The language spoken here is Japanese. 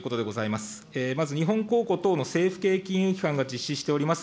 まず日本公庫等の政府系金融機関が実施しております